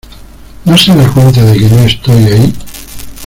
¿ No se da cuenta de que no estoy ahí?